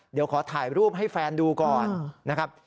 เดี๋ยวขอถ่ายรูปให้แฟนดูก่อนนะครับ